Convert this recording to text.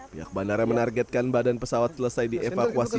pihak bandara menargetkan badan pesawat selesai dievakuasi